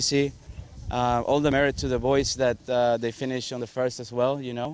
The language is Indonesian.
semua merit untuk anak anak yang selesai di hall pertama juga